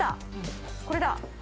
これだ。